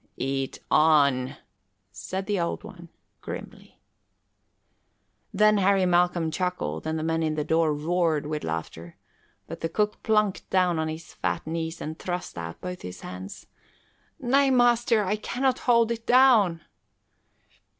"Eat on," said the Old One grimly. Then Harry Malcolm chuckled and the men in the door roared with laughter, but the cook plunked down on his fat knees and thrust out both his hands. "Nay, master, I cannot hold it down!"